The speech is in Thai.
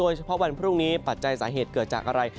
เฉพาะวันพรุ่งนี้ปัจจัยสาเหตุเกิดจากอะไร